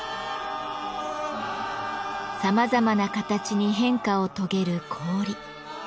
さまざまな形に変化を遂げる氷。